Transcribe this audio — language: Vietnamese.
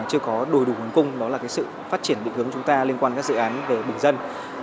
chưa có đầy đủ nguồn cung đó là sự phát triển định hướng chúng ta liên quan các dự án về bình dân